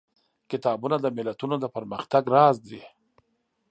کتابونه د ملتونو د پرمختګ راز دي.